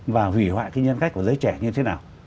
và hủy hoại cái nhân cách của giới trẻ như thế nào